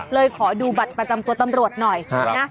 เลยขอดูบัตรประจำตัวตำรวจหน่อยนะ